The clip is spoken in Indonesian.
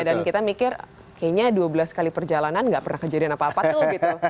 dan kita mikir kayaknya dua belas kali perjalanan nggak pernah kejadian apa apa tuh gitu